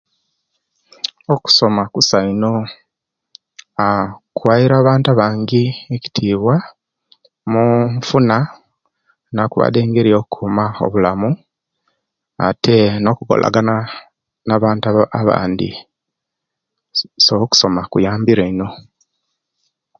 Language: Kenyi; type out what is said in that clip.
Okusoma kusa ino aa kuwaire abantu abangi ekitiwa mu enfuna nakubade enkuma obulamu ate nokolagana nabantu bangi so okusoma kuyambire ino